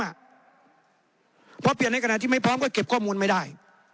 เพราะเปลี่ยนในขณะที่ไม่พร้อมก็เก็บข้อมูลไม่ได้